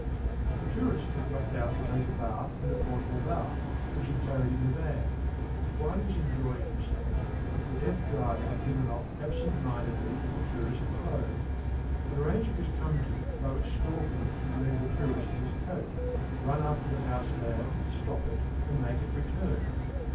The tourist had got down to take a bath in a portable bath, which he carried in the van. While he was enjoying himself, the deaf driver had driven off absent mindedly with the tourist's clothes. An arrangement was come to by which Snorkey should lend the tourist his coat, run after the house van, stop it, and make it return.